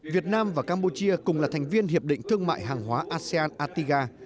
việt nam và campuchia cùng là thành viên hiệp định thương mại hàng hóa asean atiga